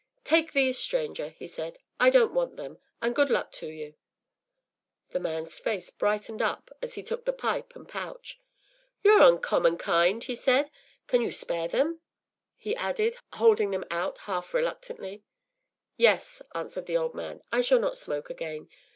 “Take these, stranger,” he said. “I don’t want them. And good luck to you.” The man’s face brightened up as he took the pipe and pouch. “You’re uncommon kind,” he said. “Can you spare them?” he added, holding them out half reluctantly. “Yes,” answered the old man; “I shall not smoke again.